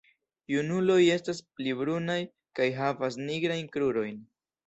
Junuloj estas pli brunaj kaj havas nigrajn krurojn.